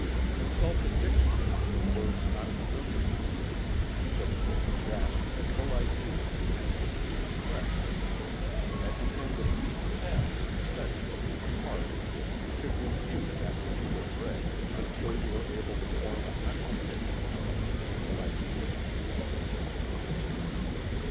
Consult the dictionary for words not familiar to you, so that you may grasp the full idea intended to be expressed. At the end of each chapter, section and part, you should review that which you have read, until you are able to form a mental picture of the general ideas contained therein.